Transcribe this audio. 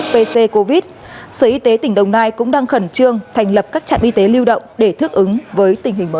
bởi tình hình mới